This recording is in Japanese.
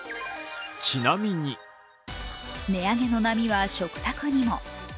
値上げの波は食卓にも。